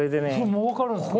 もう分かるんですか？